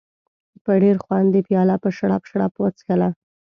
په ډېر خوند یې پیاله په شړپ شړپ وڅښله.